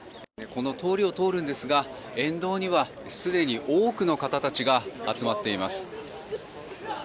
この通りを通るんですが沿道にはすでに多くの方たちが集まっています。